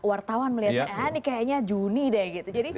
wartawan melihatnya ini kayaknya juni deh gitu